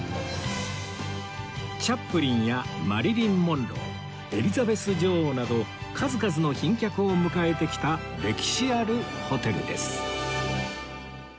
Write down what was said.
チャップリンやマリリン・モンローエリザベス女王など数々の賓客を迎えてきた歴史あるホテルです